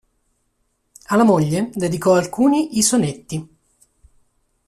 Alla moglie dedicò alcuni i sonetti.